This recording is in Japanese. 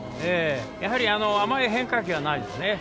やはり、甘い変化球はないですね。